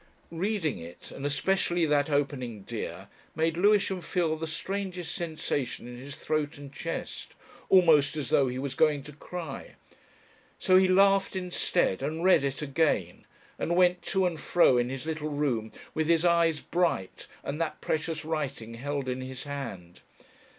Reading it, and especially that opening "dear," made Lewisham feel the strangest sensation in his throat and chest, almost as though he was going to cry. So he laughed instead and read it again, and went to and fro in his little room with his eyes bright and that precious writing held in his hand.